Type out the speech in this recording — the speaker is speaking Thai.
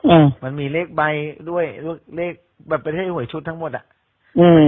อืมมันมีเลขใบด้วยเลขแบบเป็นเลขหวยชุดทั้งหมดอ่ะอืม